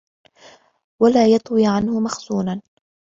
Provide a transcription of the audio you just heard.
وَلَا يَطْوِي عَنْهُ مَخْزُونًا